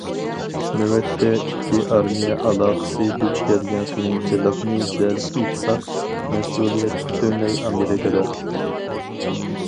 نۆۋەتتە ئىككى ئارمىيە ئالاقىسى دۇچ كەلگەن قىيىنچىلىقنى دەپ ئېيتساق، مەسئۇلىيەت پۈتۈنلەي ئامېرىكىدا.